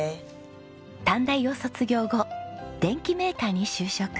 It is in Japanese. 短大を卒業後電機メーカーに就職。